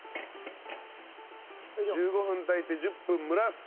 １５分炊いて１０分蒸らす。